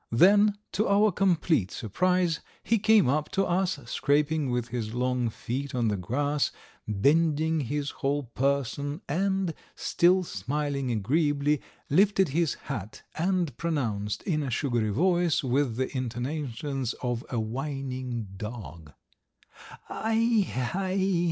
Then, to our complete surprise, he came up to us, scraping with his long feet on the grass, bending his whole person, and, still smiling agreeably, lifted his hat and pronounced in a sugary voice with the intonations of a whining dog: "Aie, aie